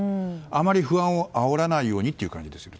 あまり不安をあおらないようにって感じですよね。